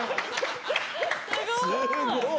すごーい！